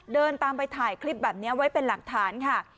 เดินตามไปถ่ายคลิปแบบนี้ไว้เป็นหลักฐานค่ะ